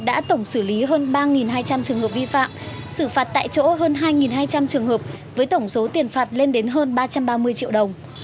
đã tổng xử lý hơn ba hai trăm linh trường hợp vi phạm xử phạt tại chỗ hơn hai hai trăm linh trường hợp với tổng số tiền phạt lên đến hơn ba trăm ba mươi triệu đồng